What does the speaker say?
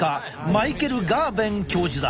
マイケル・ガーヴェン教授だ。